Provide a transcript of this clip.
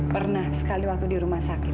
pernah sekali waktu di rumah sakit